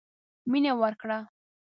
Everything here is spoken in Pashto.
مينه ورکړه.